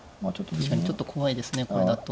確かにちょっと怖いですねこれだと。